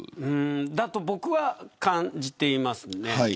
だと僕は感じていますね。